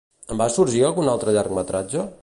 En va sorgir algun altre llargmetratge?